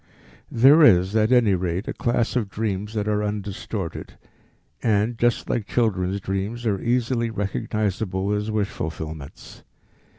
There is at any rate a class of dreams that are undistorted, and, just like children's dreams, are easily recognizable as wish fulfillments.